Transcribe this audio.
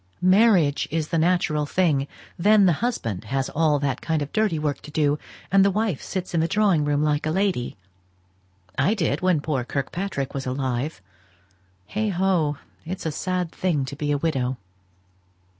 Marriage is the natural thing; then the husband has all that kind of dirty work to do, and his wife sits in the drawing room like a lady. I did, when poor Kirkpatrick was alive. Heigho! it's a sad thing to be a widow."